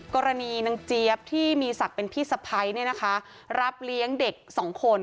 กรณีนางเจี๊ยบที่มีศักดิ์เป็นพี่สะพ้ายรับเลี้ยงเด็กสองคน